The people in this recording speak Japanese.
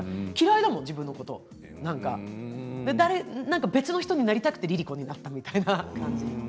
だから、別の人になりたくてＬｉＬｉＣｏになったみたいな感じ。